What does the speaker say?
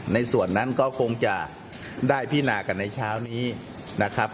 ในส่วนนั้นก็คงจะได้พินากันในเช้านี้นะครับ